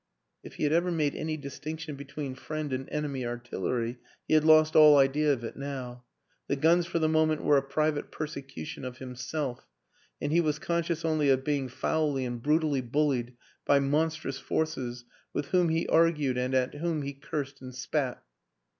If he had ever made any distinction be tween friend and enemy artillery, he had lost all idea of it now; the guns for the moment were a private persecution of himself, and he was con scious only of being foully and brutally bullied by monstrous forces with whom he argued and at whom he cursed and spat.